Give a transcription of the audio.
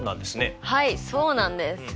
はいそうなんです。